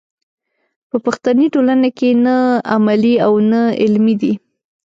په پښتني ټولنه کې نه عملي او نه علمي دی.